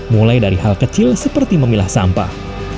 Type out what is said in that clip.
mulai dari hal kecil seperti memilah sampah